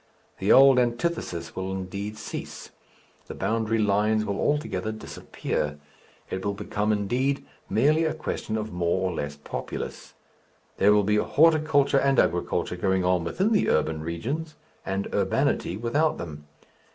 The old antithesis will indeed cease, the boundary lines will altogether disappear; it will become, indeed, merely a question of more or less populous. There will be horticulture and agriculture going on within the "urban regions," and "urbanity" without them.